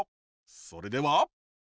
それでは。